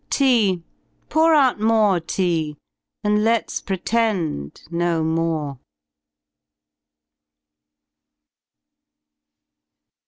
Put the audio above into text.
Tea! Pour out more Tea, and let's pretend no more.